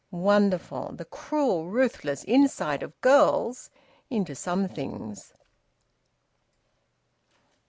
Wonderful, the cruel ruthless insight of girls into some things!